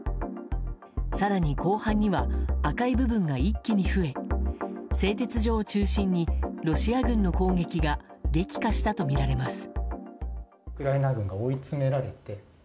更に後半には赤い部分が一気に増え製鉄所を中心にロシア軍の攻撃が激化したとみられます。